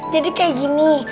jadi kayak gini